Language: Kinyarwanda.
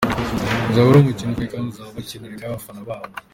Uzaba ari umukino ukomeye, kuko bazaba bakinira imbere y’abafana babo.